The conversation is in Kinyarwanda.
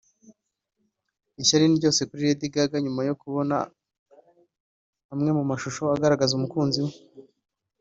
Ishyari ni ryose kuri Lady Gaga nyuma yo kubona amwe mu mashusho agaragaza umukunzi we